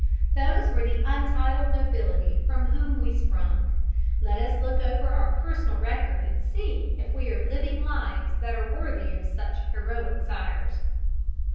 Those were the untitled nobility from whom we sprung. Let us look over our personal record and see if we are living lives that are worthy of such heroic sires.